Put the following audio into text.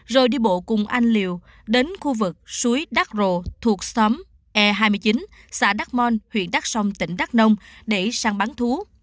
rồi đi bộ cùng anh liều đến khu vực suối đắc rồ thuộc xóm e hai mươi chín xã đắc mon huyện đắc sông tỉnh đắc nông để săn bắn thú